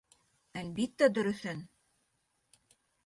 — Әлбиттә, дөрөҫөн.